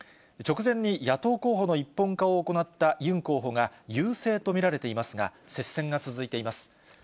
直前に野党候補の一本化を行ったユン候補が、優勢と見られていますが、接戦が続いています。